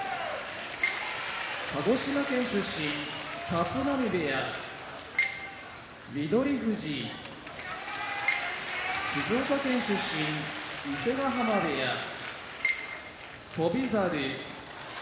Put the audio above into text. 立浪部屋翠富士静岡県出身伊勢ヶ濱部屋翔猿